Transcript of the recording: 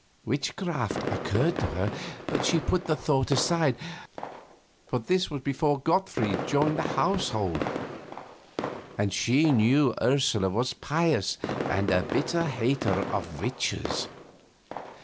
Witchcraft occurred to her, but she put the thought aside, for this was before Gottfried joined the household, and she knew Ursula was pious and a bitter hater of witches.